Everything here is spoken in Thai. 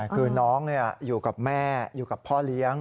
คือน้องอยู่กับแม่อยู่กับพ่อเลี้ยง